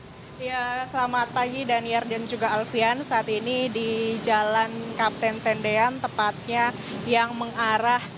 ya selamat pagi daniar dan juga alfian saat ini di jalan kapten tendean tepatnya yang mengarah